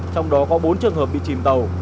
trong đó có bốn trường hợp bị chìm tàu